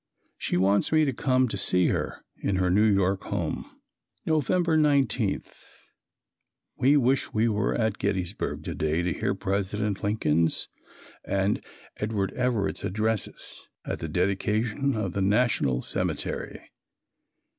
She wants me to come to see her in her New York home. November 19. We wish we were at Gettysburg to day to hear President Lincoln's and Edward Everett's addresses at the dedication of the National Cemetery.